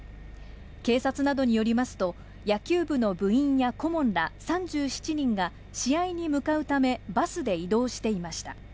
警察などによりますと、野球部の部員や顧問ら３７人が、試合に向かうため、バスで移動していました。